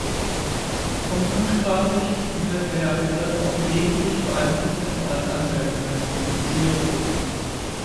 Umgangssprachlich wird der Begriff auch gelegentlich für einen prozentualen Anteil verwendet, siehe Quote.